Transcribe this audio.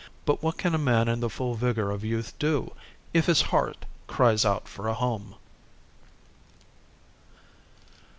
But what can a man in the full vigor of youth do if his heart cries out for a home?